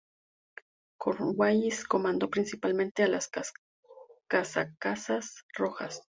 Cornwallis comandó principalmente a los casacas rojas.